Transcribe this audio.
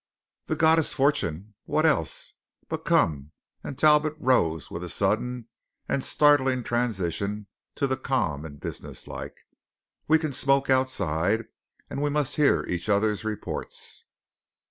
"The goddess fortune what else? But come," and Talbot rose with a sudden and startling transition to the calm and businesslike. "We can smoke outside; and we must hear each other's reports."